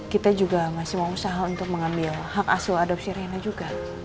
kita juga masih mau usaha untuk mengambil hak asu adopsi rena juga